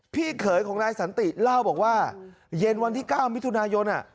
พี่เขยของนายสันติเล่าบอกว่าเย็นวันที่๙มิถุนายน